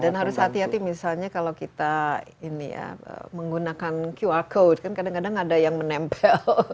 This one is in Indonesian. dan harus hati hati misalnya kalau kita ini ya menggunakan qr code kan kadang kadang ada yang menempel